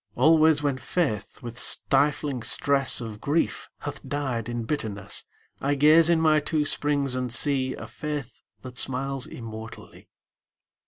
Always when Faith with stifling stress Of grief hath died in bitterness, I gaze in my two springs and see A Faith that smiles immortally.